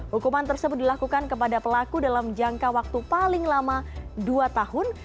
hukuman tersebut dilakukan kepada pelaku dalam jangka waktu paling lama dua tahun